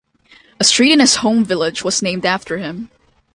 A street in his home village was named after him.